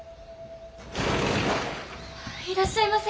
いらっしゃいませ。